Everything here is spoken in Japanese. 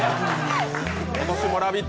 今年も「ラヴィット！」